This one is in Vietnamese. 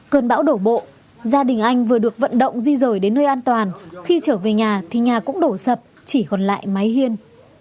cơn bão đổ bộ gia đình anh vừa được vận động di rời đến nơi an toàn khi trở về nhà thì nhà cũng đổ sập chỉ còn lại máy hiên